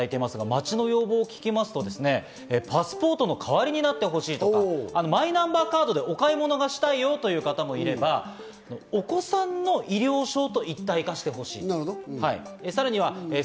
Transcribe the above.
街の要望を聞きますと、パスポートの代わりになってほしいとか、マイナンバーカードでお買い物がしたいよという方もいれば、お子さんの医療証と一体化してほしい。